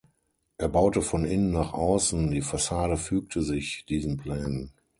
Er baute von innen nach außen, die Fassade fügte sich diesen Plänen.